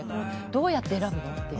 どうやって選ぶの？って。